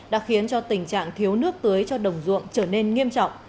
đã khiến cho tình trạng thiếu nước tưới cho đồng ruộng trở nên nghiêm trọng